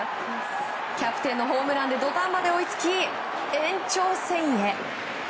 キャプテンのホームランで土壇場に追いつき延長戦へ。